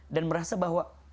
dan merasa bahwa